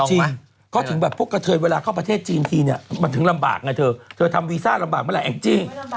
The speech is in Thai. จริงก็ถึงแบบพวกกระเทยเวลาเข้าประเทศจีนทีเนี่ยมันถึงลำบากไงเธอเธอทำวีซ่าลำบากเมื่อไหแองจี้